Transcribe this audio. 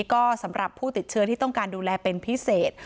ก็สำหรับผู้ติดเชื้อที่ต้องการดูแลเป็นพิเศษ